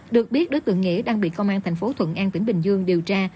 được biết đối tượng nghĩa đang bị công an thành phố thuận an tỉnh bình dương điều tra